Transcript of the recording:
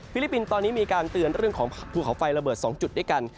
ลิปปินส์ตอนนี้มีการเตือนเรื่องของภูเขาไฟระเบิด๒จุดด้วยกัน